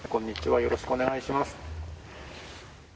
よろしくお願いします。